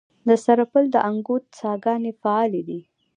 د سرپل د انګوت څاګانې فعالې دي؟